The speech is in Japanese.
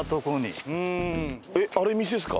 あれ店ですか？